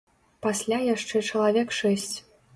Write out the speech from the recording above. Пасля яшчэ чалавек шэсць.